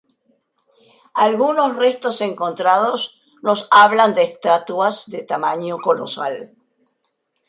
Algunos restos encontrados nos hablan de estatuas de tamaño colosal.